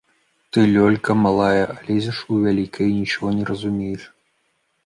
— Ты, Лёлька., малая, а лезеш у вялікае і нічога не разумееш…